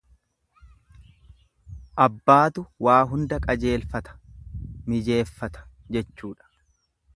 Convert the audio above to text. Abbaatu waa hunda qajeelfata, mijeeffata jechuudha.